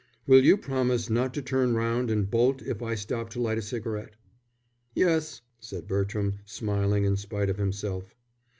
"Will you promise not to turn round and bolt if I stop to light a cigarette?" "Yes," said Bertram, smiling in spite of himself.